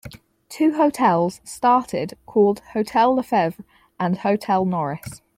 Two hotels started called Hotel Lefevre and Hotel Norris.